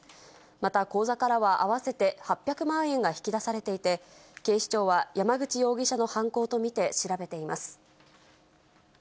また、口座からは合わせて８００万円が引き出されていて、警視庁は山口容疑者の犯行と見て調べています。